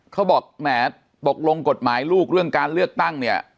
เขาบอกแหมตกลงกฎหมายลูกเรื่องการเลือกตั้งเนี่ย